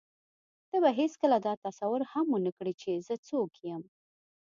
ته به هېڅکله دا تصور هم ونه کړې چې زه څوک یم.